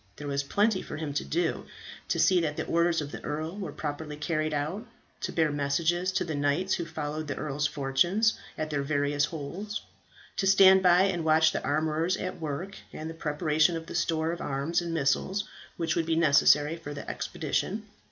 There was plenty for him to do to see that the orders of the earl were properly carried out; to bear messages to the knights who followed the earl's fortunes, at their various holds; to stand by and watch the armourers at work, and the preparation of the stores of arms and missiles which would be necessary for the expedition.